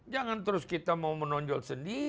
jangan terus kita mau menonjol sendiri